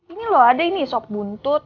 ini loh ada ini sop buntut